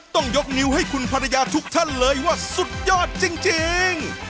ต้องยกนิ้วให้คุณภรรยาทุกท่านเลยว่าสุดยอดจริง